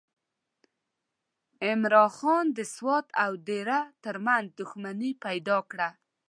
عمرا خان د سوات او دیر ترمنځ دښمني پیدا کړه.